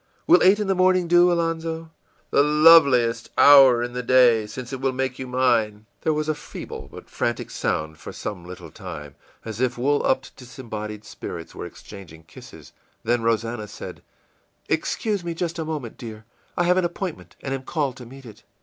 Will eight in the morning do, Alonzo?î ìThe loveliest hour in the day since it will make you mine.î There was a feeble but frantic sound for some little time, as if wool lipped, disembodied spirits were exchanging kisses; then Rosannah said, ìExcuse me just a moment, dear; I have an appointment, and am called to meet it.